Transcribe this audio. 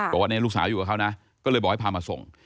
บอกว่าเนี่ยลูกสาวอยู่กับเขานะก็เลยบอกให้พามาส่ง